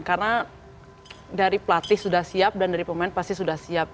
karena dari pelatih sudah siap dan dari pemain pasti sudah siap